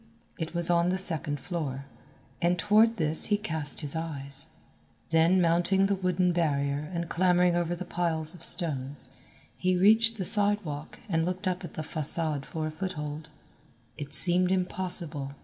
It was on the second floor, and toward this he cast his eyes. Then mounting the wooden barrier and clambering over the piles of stones, he reached the sidewalk and looked up at the façade for a foothold. It seemed impossible.